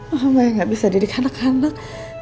mama yang gak bisa dididik anak anak